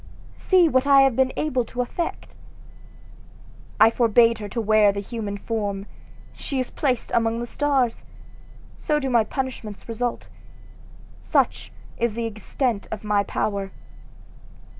See what I have been able to effect! I forbade her to wear the human form she is placed among the stars! So do my punishments result such is the extent of my power!